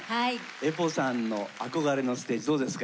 ＥＰＯさんの憧れのステージどうですか？